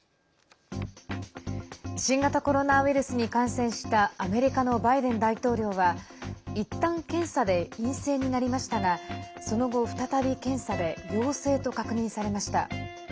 新型コロナウイルスに感染したアメリカのバイデン大統領はいったん検査で陰性になりましたがその後、再び検査で陽性と確認されました。